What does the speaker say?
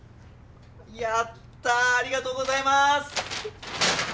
やったありがとうございます。